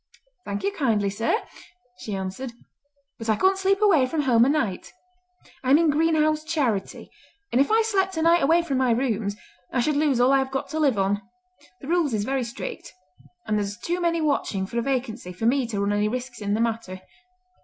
"Thank you kindly, sir!" she answered, "but I couldn't sleep away from home a night. I am in Greenhow's Charity, and if I slept a night away from my rooms I should lose all I have got to live on. The rules is very strict; and there's too many watching for a vacancy for me to run any risks in the matter.